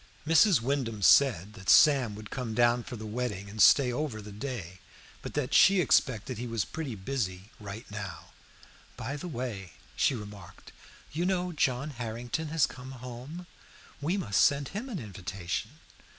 Mrs. Wyndham said that Sam would come down for the wedding and stay over the day, but that she expected he was pretty busy just now. "By the way," she remarked, "you know John Harrington has come home. We must send him an invitation."